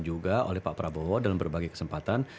juga oleh pak prabowo dalam berbagai kesempatan